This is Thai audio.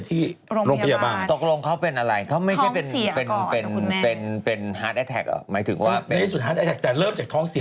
เสียน้ำเยอะแม้วเลยช็อกไปอะไรแบบนี้